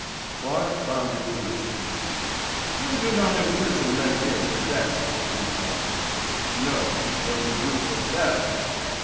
Clarke bounded to his feet. "We do not imprison men here for debt," he cried. "No, but you do for theft."